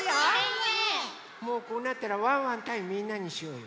もうこうなったらワンワンたいみんなにしようよ。